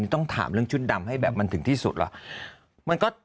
ต้องถามเรื่องชุดดำให้แบบมันถึงที่สุดแล้ว